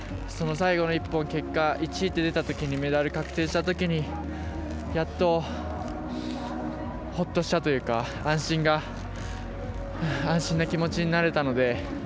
最後の１本、結果１位って出たときにメダル確定したときにやっと、ほっとしたというか安心な気持ちになれたので。